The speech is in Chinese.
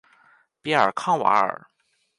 比尔康瓦尔。